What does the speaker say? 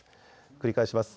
繰り返します。